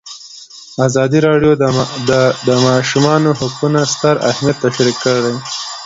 ازادي راډیو د د ماشومانو حقونه ستر اهميت تشریح کړی.